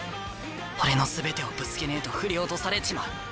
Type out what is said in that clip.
俺の全てをぶつけねえと振り落とされちまう。